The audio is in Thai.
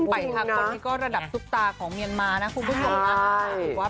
ป่ายธาคนระดับซุปตาของเมียนมานะครับ